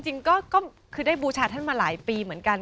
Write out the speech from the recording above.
จริงก็คือได้บูชาท่านมาหลายปีเหมือนกัน